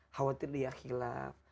khawatir dia hilang